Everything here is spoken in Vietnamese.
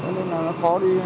nên là nó khó đi